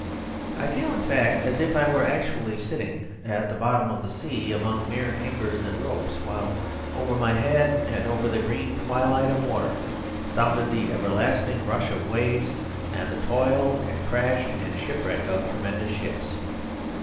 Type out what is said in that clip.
I feel, in fact, as if I were actually sitting at the bottom of the sea among mere anchors and ropes, while over my head and over the green twilight of water sounded the everlasting rush of waves and the toil and crash and shipwreck of tremendous ships.